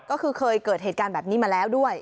ก็คือเคยเกิดเหตุการณ์แบบนี้มาแล้วด้วย